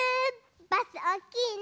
バスおおきいね。